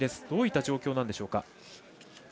どういった状況なんでしょうか。